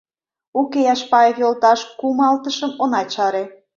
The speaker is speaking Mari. Уке, Яшпаев йолташ, кумалтышым она чаре.